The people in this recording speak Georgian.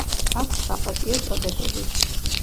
აქვს საპატიო წოდებები.